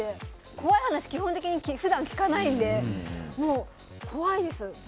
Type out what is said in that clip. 怖い話基本的に普段聞かないんで怖いです。